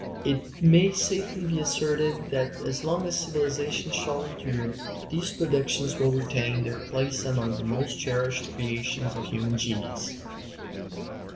It may safely be asserted that as long as civilization shall endure these productions will retain their place among the most cherished creations of human genius.